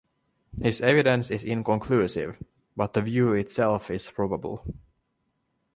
His evidence is inconclusive, but the view itself is probable.